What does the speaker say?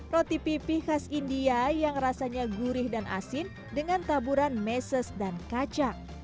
roti pipih khas india yang rasanya gurih dan asin dengan taburan meses dan kacang